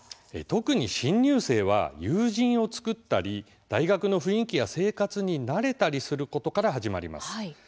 特に新入生は友人を作ったり大学の雰囲気や生活に慣れたりすることから始まります。